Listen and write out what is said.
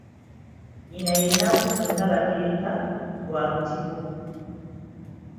Nnyina ye Nnabuuso Nnaabagereka, wa Butiko.